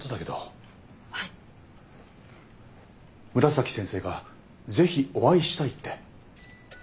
紫先生がぜひお会いしたいって。